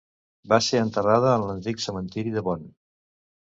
Va ser enterrada en l'antic cementiri de Bonn.